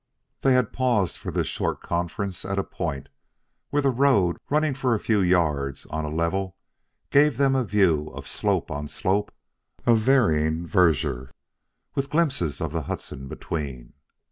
They had paused for this short conference at a point where the road running for a few yards on a level gave them a view of slope on slope of varying verdure, with glimpses of the Hudson between.